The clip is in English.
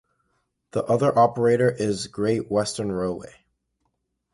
The other operator is Great Western Railway.